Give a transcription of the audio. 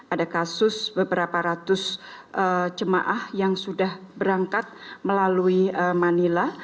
ada kasus beberapa ratus jemaah yang sudah berangkat melalui manila